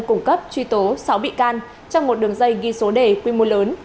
cung cấp truy tố sáu bị can trong một đường dây ghi số đề quy mô lớn